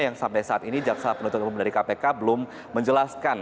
yang sampai saat ini jaksa penuntut umum dari kpk belum menjelaskan